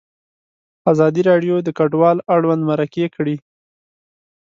ازادي راډیو د کډوال اړوند مرکې کړي.